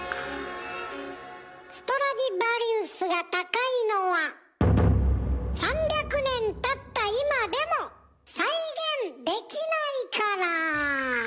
ストラディヴァリウスが高いのは３００年たった今でも再現できないから。